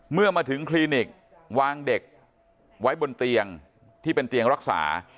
เมื่อมาถึงคลินิกวางเด็กไว้บนเตียงที่เป็นเตียงรักษา